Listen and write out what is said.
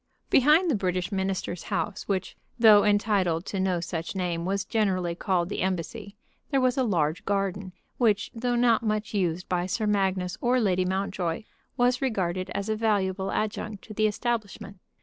Behind the British minister's house, which, though entitled to no such name, was generally called the Embassy, there was a large garden, which, though not much used by Sir Magnus or Lady Mountjoy, was regarded as a valuable adjunct to the establishment.